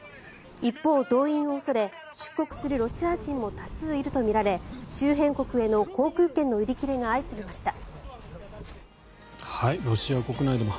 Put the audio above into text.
一方、動員を恐れ出国するロシア人も多数いるとみられ周辺国への航空券の売り切れが相次ぎました。